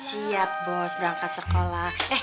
siap bos berangkat sekolah